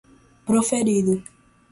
proferido